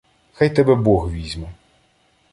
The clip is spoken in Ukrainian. — Хай тебе Бог візьме.